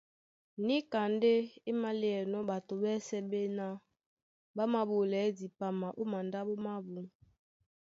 Níka ndé é máléanɔ́ ɓato ɓɛ́sɛ̄ ɓéná ɓá māɓolɛɛ́ dipama ó mandáɓo mábū;